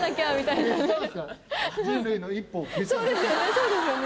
そうですよね